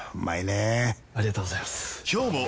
ありがとうございます！